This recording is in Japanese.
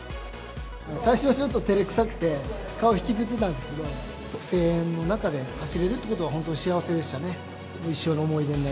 最初はちょっとてれくさくて顔ひきつってたんですけど、声援の中で走れるということは本当、幸せでしたね。